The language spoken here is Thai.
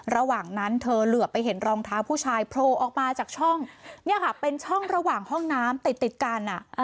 ระหว่างนั้นเธอเหลือไปเห็นรองเท้าผู้ชายโผล่ออกมาจากช่องเนี่ยค่ะเป็นช่องระหว่างห้องน้ำติดติดกัน